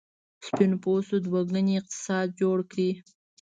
سپین پوستو دوه ګونی اقتصاد جوړ کړ.